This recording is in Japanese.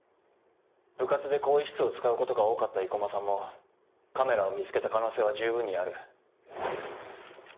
部活で更衣室を使うことが多かった生駒さんもカメラを見つけた可能性はじゅうぶんにある。